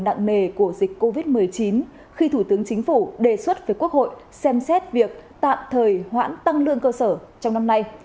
đại dịch covid một mươi chín khi thủ tướng chính phủ đề xuất với quốc hội xem xét việc tạm thời hoãn tăng lương cơ sở trong năm nay